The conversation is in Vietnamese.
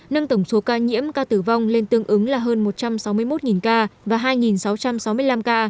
nâng tổng số ca nhiễm ca tử vong lên tương ứng là hơn một trăm sáu mươi một ca và hai sáu trăm sáu mươi năm ca